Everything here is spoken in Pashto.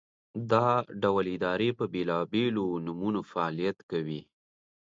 دا ډول ادارې په بېلابېلو نومونو فعالیت کوي.